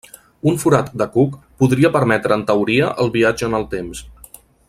Un forat de cuc podria permetre en teoria el viatge en el temps.